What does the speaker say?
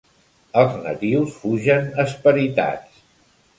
Els natius fugen esperitats.